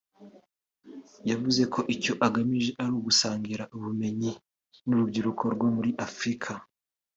yavuze ko icyo agamije ari ugusangira ubumenyi n’urubyiruko rwo muri Afurika